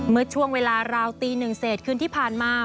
เมื่อช่วงเวลาราวตี๑เศษคืนที่ผ่านมา